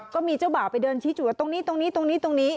ก็มีเจ้าบ่าวไปเดินชี้จุดว่าตรงนี้ตรงนี้ตรงนี้ตรงนี้